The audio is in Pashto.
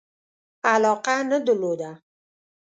علاقه نه درلوده.